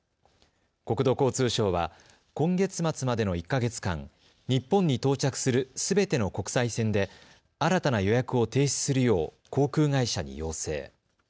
国土交通省は今月末までの１か月間、日本に到着するすべての国際線で新たな予約を停止するよう航空会社に要請。